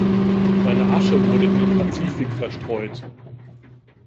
Seine Asche wurde in den Pazifik verstreut.